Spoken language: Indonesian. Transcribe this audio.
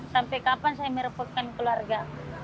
sampai kapan saya merepotkan keluarga